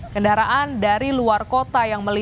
kendaraan dari luar kota yang diperlukan